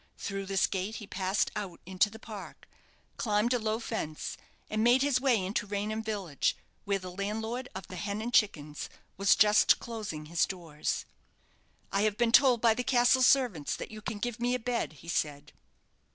Through this gate he passed out into the park, climbed a low fence, and made his way into Raynham village, where the landlord of the "Hen and Chickens" was just closing his doors. "I have been told by the castle servants that you can give me a bed," he said.